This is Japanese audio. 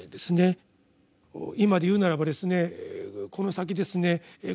今で言うならばですねこの先ですね